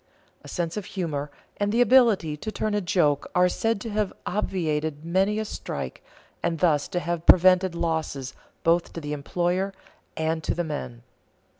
A sense of humor and the ability to turn a joke are said to have obviated many a strike and thus to have prevented losses both to the employer and to the men.